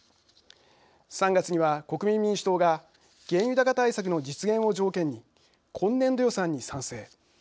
３月には、国民民主党が原油高対策の実現を条件に今年度予算に賛成。